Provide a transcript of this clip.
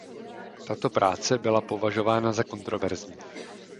Tato práce byla považována za kontroverzní.